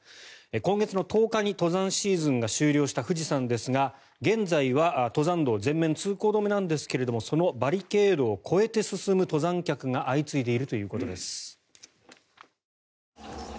今月１０日に登山シーズンが終了した富士山ですが現在は登山道全面通行止めなんですがそのバリケードを越えて進む登山客が相次いでいるということです。